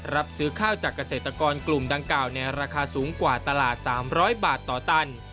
รับซื้อข้าวจากเกษตรกรกลุ่มดังกล่าวในราคาสูงกว่าตลาด๓๐๐บาทต่อตัน